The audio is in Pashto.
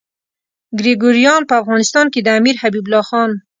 ګریګوریان په افغانستان کې د امیر حبیب الله خان.